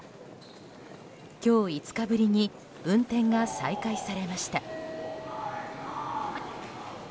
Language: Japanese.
今日５日ぶりに運転が再開されました。